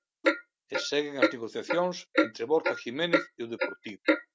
E seguen as negociacións entre Borja Jiménez e o Deportivo.